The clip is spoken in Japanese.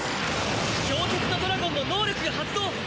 氷結のドラゴンの能力が発動。